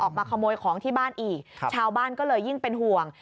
ออกมาขโมยของที่บ้านอีกชาวบ้านก็เลยยิ่งเป็นห่วง